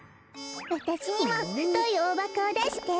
わたしにもふといオオバコをだして。